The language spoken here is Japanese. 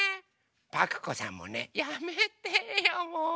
パクこさんもね。やめてよもう。